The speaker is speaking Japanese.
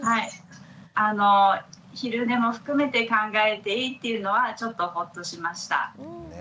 昼寝も含めて考えていいっていうのはちょっとほっとしました。